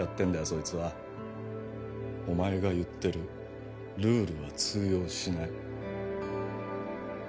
そいつはお前が言ってるルールは通用しない